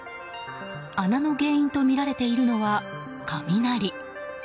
穴の原因とみられているのは雷。